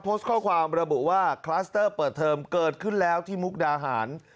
โพสต์ข้อความระบุว่าคลัสเตอร์เปิดเทอมเกิดขึ้นแล้วที่มุกดาหาร